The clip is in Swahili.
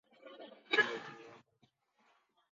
Nao hutumiwa kwa kilimo.